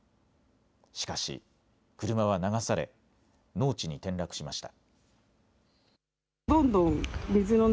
しかし車は流され農地に転落しました。